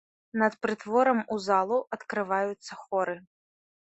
Над прытворам у залу адкрываюцца хоры.